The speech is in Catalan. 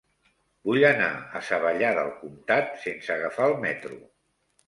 Vull anar a Savallà del Comtat sense agafar el metro.